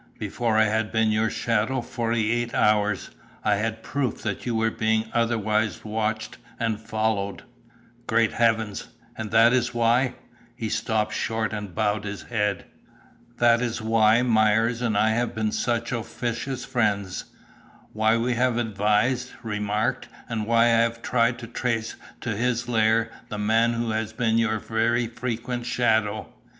Before I had been your shadow forty eight hours, I had proof that you were being otherwise watched and followed." "Great heavens! And that is why " He stopped short and bowed his head. "That is why Myers and I have been such officious friends, why we have advised, remarked, and why I have tried to trace to his lair the man who has been your very frequent shadow."